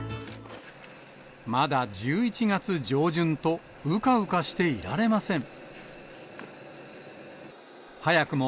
まだ１１月上旬と、うかうかしていられません。